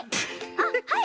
あっはい！